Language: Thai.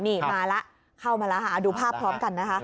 นี่มาเข้ามาแล้วนะฮะดูภาพพร้อมกันนะฮะ